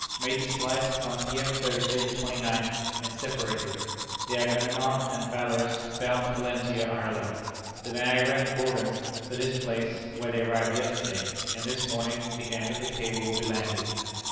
Made the splice at one P.M., Thursday, the twenty ninth, and separated the Agamemnon and Valorous, bound to Valentia, Ireland; the Niagara and Gorgon, for this place, where they arrived yesterday, and this morning the end of the cable will be landed.